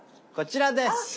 こちらです。